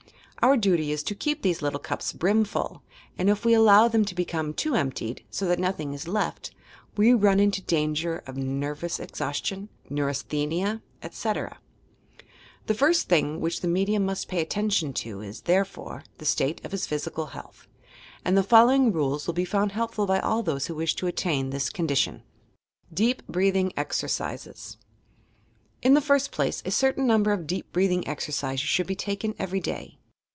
Our duty is to keep these little cupa brim full, and if we allow them to become too emptied, so that nothing is left, we run into danger of nervous exhaustion, neurasthenia, etc. The first thing which the medium must pay attention to is, therefore, the state of his physical health: and the following rules will be found helpful by all those who wish to attain this con dition. DEEP BREATHING EXERCISES In the first place, a certain number of decp breathingr exercises should he taken every day.